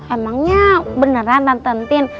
emangnya beneran tenten tin